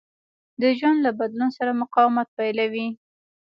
د ژوند له بدلون سره مقاومت پيلوي.